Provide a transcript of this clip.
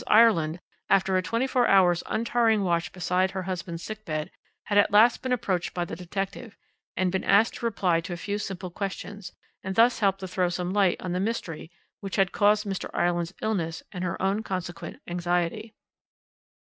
Ireland, after a twenty four hours' untiring watch beside her husband's sick bed, had at last been approached by the detective, and been asked to reply to a few simple questions, and thus help to throw some light on the mystery which had caused Mr. Ireland's illness and her own consequent anxiety.